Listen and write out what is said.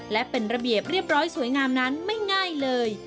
และเป็นระเบียบเรียบร้อยสวยงามนั้นไม่ง่ายเลย